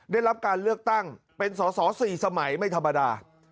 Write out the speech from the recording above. ได้รับการเลือกตั้งเป็นสอสอ๔สมัยไม่ธรรมดา